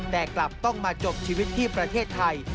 แต่กลับต้องมาจบชีวิตที่ประเทศไทย